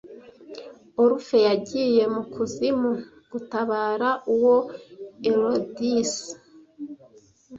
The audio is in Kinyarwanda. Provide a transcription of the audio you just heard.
Orufe yagiye mu kuzimu gutabara uwo Eurydice